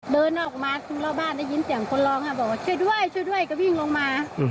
เดินออกมาตรงรอบบ้านได้ยินเสียงคนร้องบอกว่าช่วยด้วยช่วยด้วยก็วิ่งลงมา